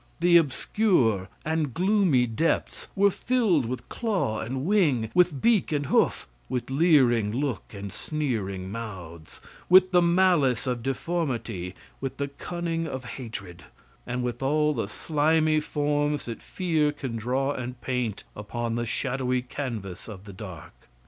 The obscure and gloomy depths were filled with claw and wing with beak and hoof with leering look and sneering mouths with the malice of deformity with the cunning of hatred, and with all the slimy forms that fear can draw and paint upon the shadowy canvas of the dark.